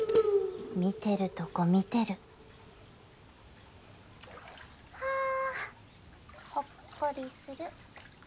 見てるとこ見てるハァほっこりする。